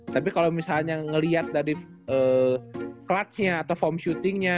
tapi kalo misalnya ngeliat dari clutch nya atau form shooting nya